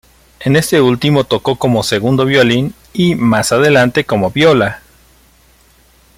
En este último tocó como segundo violín y, más adelante, como viola.